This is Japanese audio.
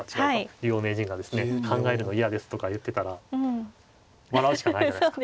考えるの嫌ですとか言ってたら笑うしかないじゃないですか。